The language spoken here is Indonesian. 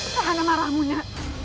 tahanlah marahmu nya